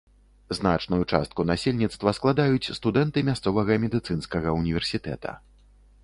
Значную частку насельніцтва складаюць студэнты мясцовага медыцынскага ўніверсітэта.